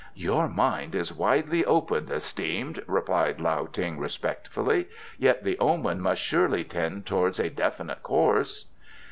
"Your mind is widely opened, esteemed," replied Lao Ting respectfully. "Yet the omen must surely tend towards a definite course?"